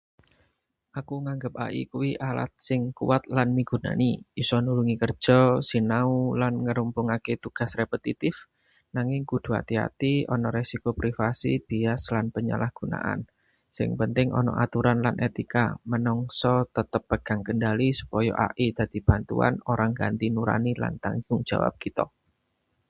Aku nganggep AI kuwi alat sing kuat lan migunani. isa nulungi kerja, sinau, lan ngrampungke tugas repititif. Nanging kudu ati-ati ana risiko privasi, bias, lan penyalahgunaan. Sing penting ana aturan lan etika, manungsa tetep pegang kendali supaya AI dadi bantuan, ora ngganti nurani lan tanggung jawab kita.